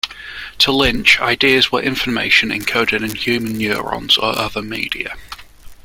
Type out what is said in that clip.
To Lynch, ideas were information encoded in human neurons or other media.